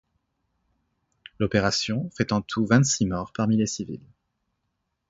L'opération fait en tout vingt-six morts parmi les civils.